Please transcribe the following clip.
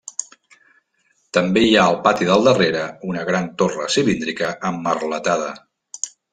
També hi ha al pati del darrere una gran torre cilíndrica emmerletada.